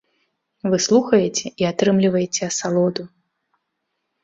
Вы слухаеце і атрымліваеце асалоду.